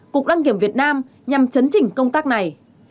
cục đăng kiểm việt nam nhằm chấn chỉnh công tác này